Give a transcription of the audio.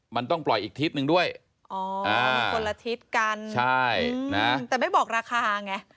มันต้องปล่อยอีกทิศนึงด้วยอ๋อมันคนละทิศกันใช่นะแต่ไม่บอกราคาไง